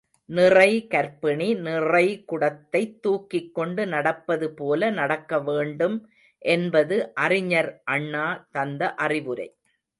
நிறை கர்ப்பிணி நிறை குடத்தைத் தூக்கிக்கொண்டு நடப்பது போல நடக்க வேண்டும் என்பது அறிஞர் அண்ணா தந்த அறிவுரை.